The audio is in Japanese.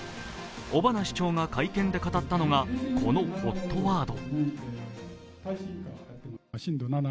尾花市長が会見で語ったのがこのＨＯＴワード。